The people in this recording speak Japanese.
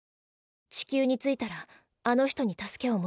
地球に着いたらあの人に助けを求めるように。